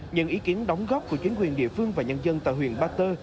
những ý kiến đóng góp của chính quyền địa phương và nhân dân tại huyện ba tơ